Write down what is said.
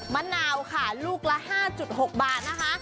มะนาวค่ะลูกละ๕๖บาทนะคะ